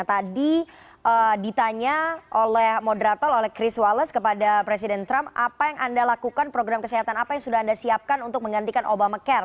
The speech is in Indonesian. tadi ditanya oleh moderator oleh chris walles kepada presiden trump apa yang anda lakukan program kesehatan apa yang sudah anda siapkan untuk menggantikan obama care